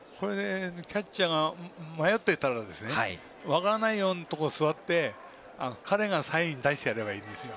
キャッチャーが迷っていたら分からないようなところに座って彼がサインを出せばいいんですよ。